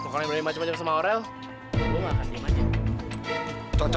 mau kalin beri macem macem sama orel gue gak akan diam diam